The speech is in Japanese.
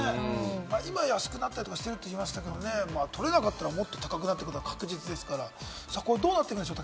今、安くなったりしてるとか言いましたけれども、取れなかったら、もっと高くなることが確実ですから、そこをどうやっていくんでしょう？